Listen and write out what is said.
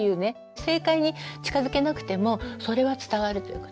正解に近づけなくてもそれは伝わるということです。